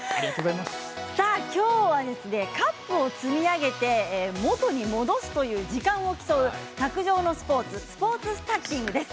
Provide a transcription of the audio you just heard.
今日は、カップを積み上げて元に戻すという時間を競う卓上のスポーツスポーツスタッキングです。